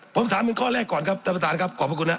ผมถามถึงข้อแรกก่อนครับท่านประธานครับขอบพระคุณนะ